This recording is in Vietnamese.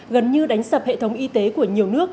gần như đánh sập hệ thống y tế của nhiều nước